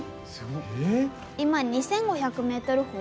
今２５００ｍ峰。